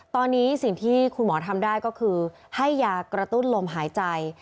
ตอนนี้สิ่งที่คุณหมอทำได้ก็คือให้ยากระตุ้นลมหายใจ